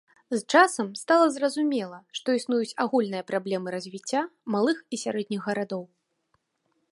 З часам стала зразумела, што існуюць агульныя праблемы развіцця малых і сярэдніх гарадоў.